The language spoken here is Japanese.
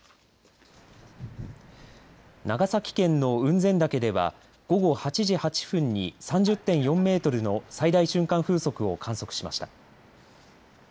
長崎県の雲仙岳では午後８時８分に３０．４メートルの最大瞬間風速を観測しました。